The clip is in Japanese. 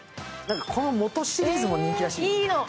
この素シリーズも人気らしいよ。